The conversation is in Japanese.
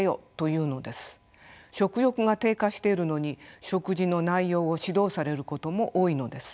食欲が低下してるのに食事の内容を指導されることも多いのです。